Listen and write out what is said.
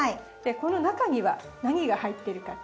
この中には何が入ってるかって。